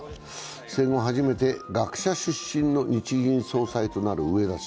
戦後初めて学者出身の日銀総裁となる植田氏。